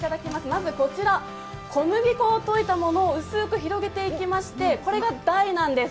まずこちら小麦粉を溶いたものを薄く伸ばしていきましてこれが台なんです。